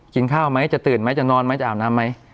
ข้าวไหมจะตื่นไหมจะนอนไหมจะอาบน้ำไหม